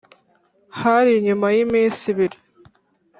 Hari nyuma y’iminsi ibiri